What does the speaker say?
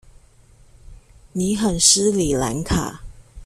你很失禮蘭卡